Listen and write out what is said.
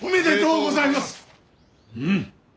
うん。